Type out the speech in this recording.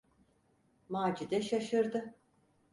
Macide şaşırdı.